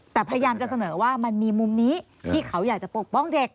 แต่พยายามจะเสนอว่ามันมีมุมนี้ที่เขาอยากจะปกป้องเด็ก